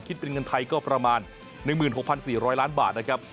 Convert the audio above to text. คิดเป็นเงินไทยก็ประมาณ๑๖๔๐๐ล้านบาทนะครับ